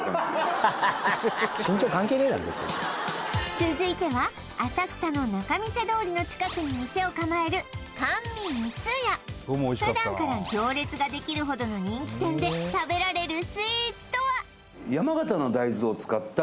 続いては浅草の仲見世通りの近くに店を構える甘味みつや普段から行列ができるほどの人気店で食べられるスイーツとは？